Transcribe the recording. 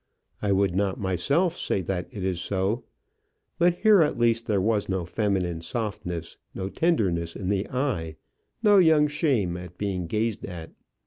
I would not myself say that it is so. But here at least there was no feminine softness, no tenderness in the eye, no young shame at being gazed at.